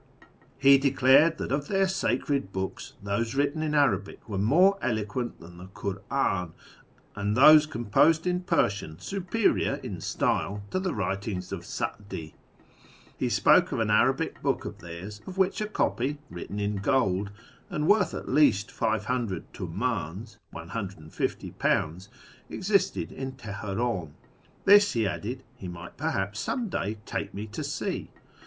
He declared that of their sacred books those written in Arabic were more eloquent than the Kur'an, and those composed in Persian superior in style to the writings of Sa'di. He spoke of an Arabic book of theirs, of which a copy, written in gold, and worth at least 500 tumdns (£150), existed in Teheran. This, he added, he might perhaps some day take me to see.